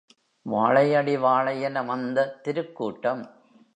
வாழையடிவாழையென வந்த திருக்கூட்டம்